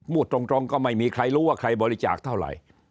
พูดตรงก็ไม่มีใครรู้ว่าใครบริจาคเท่าไหร่